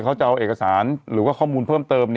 เขาจะเอาเอกสารหรือว่าข้อมูลเพิ่มเติม